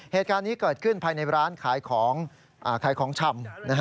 เหตุการณ์นี้เกิดขึ้นภายในร้านขายของขายของชำ